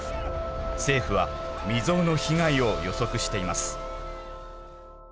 政府は未曾有の被害を予測しています。